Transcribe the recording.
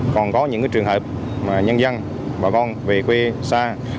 còn có những trường hợp mà nhân dân bà con về quê xa